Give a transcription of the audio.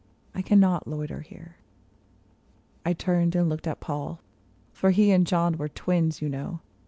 I cannot loiter here." I turned and looked at Paul, for he and John were twins, you know.